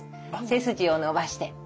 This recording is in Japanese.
背筋を伸ばして。